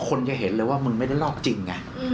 คนจะเห็นเลยว่ามึงไม่ได้ลอกจริงไง